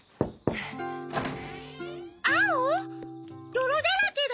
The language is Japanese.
どろだらけだよ。